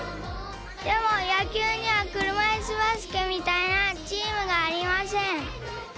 でもやきゅうにはくるまいすバスケみたいなチームがありません。